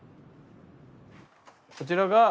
こちらが。